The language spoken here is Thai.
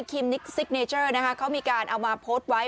คิมนิกซิกเนเจอร์นะคะเขามีการเอามาโพสต์ไว้